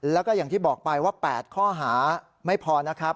แล้วก็อย่างที่บอกไปว่า๘ข้อหาไม่พอนะครับ